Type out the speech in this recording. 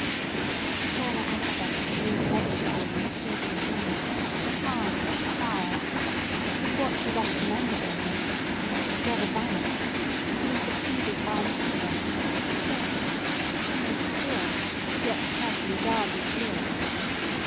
But the former aspect of an intellectual and studious man, calm and quiet, which was what she best remembered in him, had altogether vanished, and been succeeded by an eager, searching, almost fierce, yet carefully guarded look.